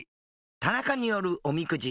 田中によるおみくじ。